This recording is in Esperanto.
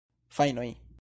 Fanoj!